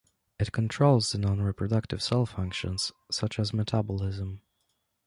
It controls the non-reproductive cell functions, such as metabolism.